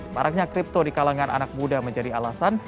maraknya kripto di kalangan anak muda menjadi alasan